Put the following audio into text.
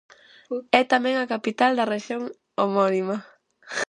É tamén a capital da rexión homónima.